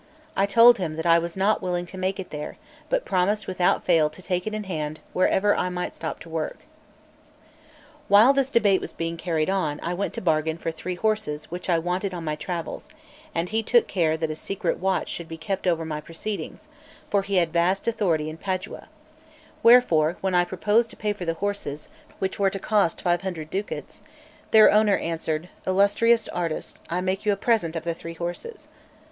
I told him that I was not willing to make it there, but promised without fail to take it in hand wherever I might stop to work. While this debate was being carried on I went to bargain for three horses which I wanted on my travels; and he took care that a secret watch should be kept over my proceedings, for he had vast authority in Padua; wherefore, when I proposed to pay for the horses, which were to cost five hundred ducats, their owner answered: "Illustrious artist, I make you a present of the three horses."